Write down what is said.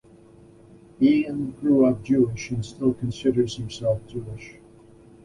Ian grew up Jewish and still considers himself Jewish.